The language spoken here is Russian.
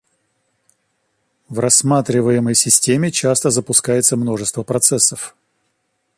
В рассматриваемой системе часто запускается множество процессов